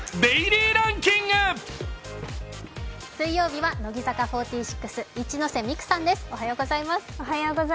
水曜日は乃木坂４６、一ノ瀬美空さんです。